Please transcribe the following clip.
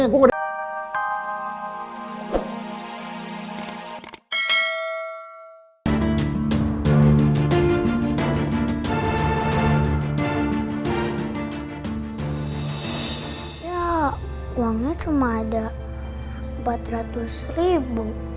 ya uangnya cuma ada empat ratus ribu